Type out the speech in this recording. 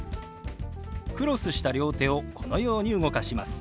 クロスした両手をこのように動かします。